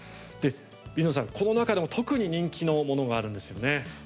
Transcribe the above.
水野さん、この中でも特に人気のものがあるんですよね。